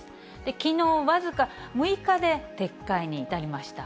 きのう、僅か６日で、撤回に至りました。